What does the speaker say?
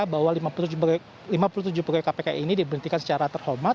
bahwa lima puluh tujuh pegawai kpk ini diberhentikan secara terhormat